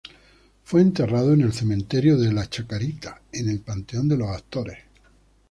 Fue enterrado en el Cementerio de la Chacarita, en el Panteón de los Actores.